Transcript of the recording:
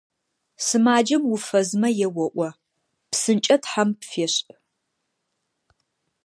Сымаджэм уфэзмэ еоӀо: «ПсынкӀэ Тхьэм пфешӀ!».